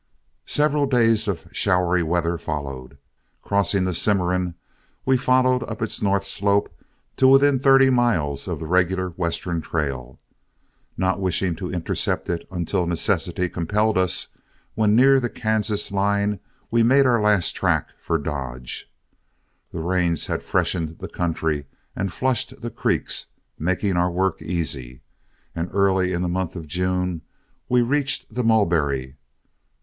Several days of showery weather followed. Crossing the Cimarron, we followed up its north slope to within thirty miles of the regular western trail. Not wishing to intercept it until necessity compelled us, when near the Kansas line we made our last tack for Dodge. The rains had freshened the country and flushed the creeks, making our work easy, and early in the month of June we reached the Mulberry.